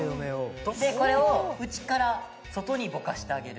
でこれを内から外にぼかしてあげる。